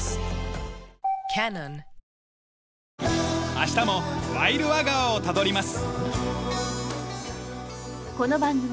明日もワイルア川をたどります。